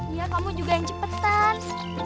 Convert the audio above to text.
iya kamu juga yang cepetan